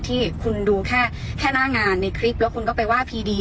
ที่คุณดูแค่หน้างานในคลิปแล้วคุณก็ไปว่าพีดี